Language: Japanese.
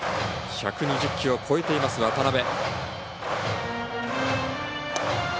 １２０球を超えています、渡邊。